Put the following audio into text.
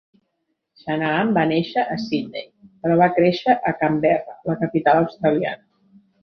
Shanahan va néixer a Sydney, però va créixer a Camberra, la capital australiana.